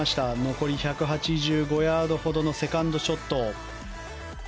残り１８５ヤードほどのセカンドショット。